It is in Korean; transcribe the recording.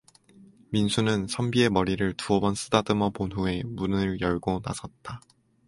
민수는 선비의 머리를 두어 번 쓰다듬어 본 후에 문을 열고 나섰다.